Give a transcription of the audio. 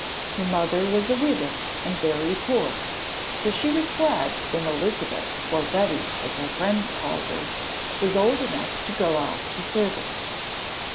Her mother was a widow and very poor, so she was glad when Elizabeth or Betty, as her friends called her, was old enough to go out to service.